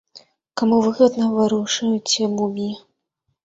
Каму выгодна варушыць муміі?